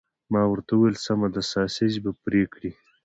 ما ورته وویل: سمه ده، ساسیج به پرې کړي؟